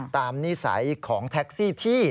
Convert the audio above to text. นิสัยของแท็กซี่ที่